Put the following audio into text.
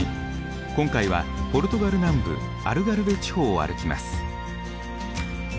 今回はポルトガル南部アルガルヴェ地方を歩きます。